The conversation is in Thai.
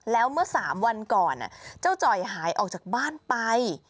แล้วเมื่อ๓วันก่อนเจ้าจ่อยหายออกจากบ้านไป